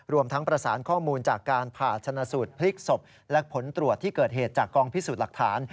รวมทั้งประสานข้อมูลจากการผ่าชนะสูตรพลิกศพและผลตรวจที่เกิดเหตุจากกองพิสูจน์หลักฐาน